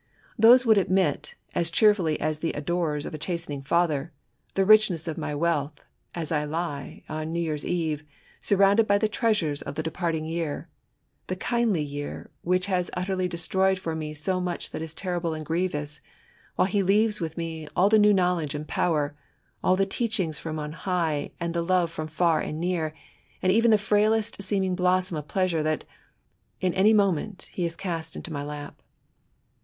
These would admit, as cheerfully as the adorers of a chastening Father, the richness of my wealth, as I lie, on New Year's Eve, surrounded by the treasures of the departing year, — the kindly Year which has utterly destroyed for me so much that is terrible and grievous, while he leaves with me all the new knowledge and power, all the teachings ;from on high, and the love from far and near, and even the frailest seeming blossom of pleasure that, in any moment, he has cast into my lap.